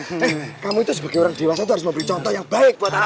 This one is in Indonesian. hai kamu itu sebagai orang dewasa harus mempunyai contoh yang baik